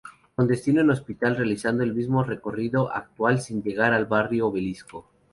Con destino en Hospital realizando el mismo recorrido actual sin llegar al Barrio Obelisco.